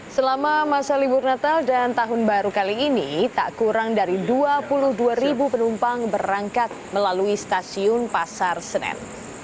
selama masa libur natal dan tahun baru kali ini tak kurang dari dua puluh dua ribu penumpang berangkat melalui stasiun pasar senen